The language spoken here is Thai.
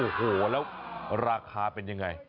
โอ้โหแล้วราคาเป็นยังไง